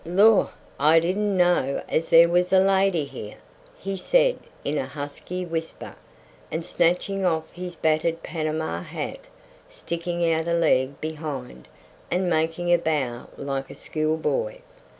"Lor', I didn't know as there were a lady here," he said in a husky whisper, and snatching off his battered Panama hat, sticking out a leg behind, and making a bow like a school boy.